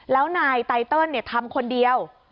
แล้วนายไตเติลทำคนเดียว